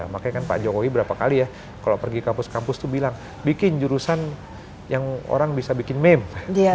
makanya kan pak jokowi berapa kali ya kalau pergi kampus kampus tuh bilang bikin jurusan yang orang bisa bikin meme